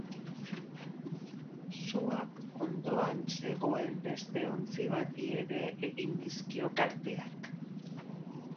Suak ondoan zegoen beste ontzi bati ere egin dizkio kalteak.